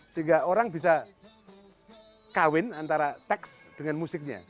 sehingga orang bisa kawin antara teks dengan musiknya